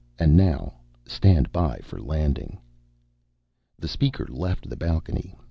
And now stand by for landing." The speaker left the balcony.